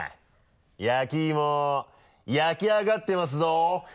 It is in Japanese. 焼き芋焼き上がってますぞ！